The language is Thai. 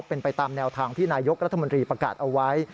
เป็นไปตามแนวทางที่นายกรัฐมนตรีประกาศเอาไว้